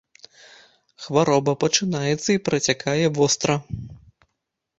Хвароба пачынаецца і працякае востра.